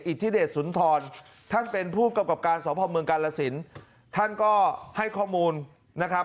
อิทธิเดชสุนทรท่านเป็นผู้กำกับการสอบภอมเมืองกาลสินท่านก็ให้ข้อมูลนะครับ